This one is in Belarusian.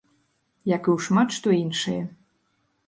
Як і ў шмат што іншае.